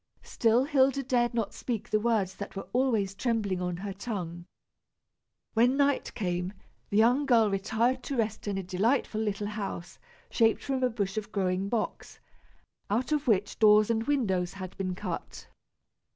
Still Hilda dared not speak the words that were always trembling on her tongue. When night came, the young girl retired to rest in a delightful little house shaped from a bush of growing box, out of which doors and windows had been cut.